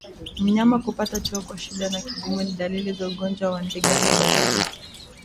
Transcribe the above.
Mnyama kupata choo kwa shida na kigumu ni dalili za ugonjwa wa ndigana baridi